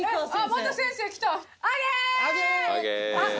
また先生来たあっ